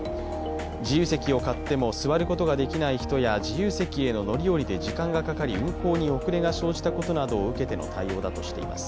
自由席を買っても座ることができない人や自由席への乗り降りで時間がかかり運行に遅れが生じたことなどを受けての対応だとしています。